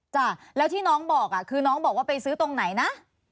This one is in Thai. จ้ะแล้วที่น้องบอกคือน้องบอกว่าไปซื้อตรงไหนนะ